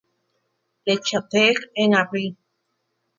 Le Châtelet-en-Brie